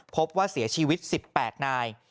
พบว่าเสียชีวิต๑๘นาย